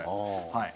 はい。